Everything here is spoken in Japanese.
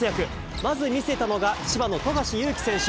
まず見せたのが、千葉の富樫勇樹選手。